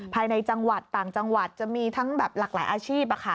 ภายในจังหวัดต่างจังหวัดจะมีทั้งแบบหลากหลายอาชีพ